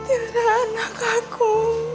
tidak anak aku